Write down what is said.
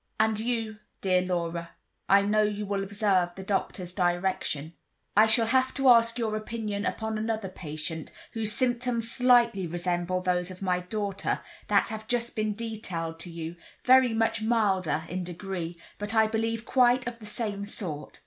"And you, dear Laura, I know you will observe the doctor's direction." "I shall have to ask your opinion upon another patient, whose symptoms slightly resemble those of my daughter, that have just been detailed to you—very much milder in degree, but I believe quite of the same sort.